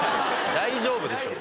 大丈夫ですよ。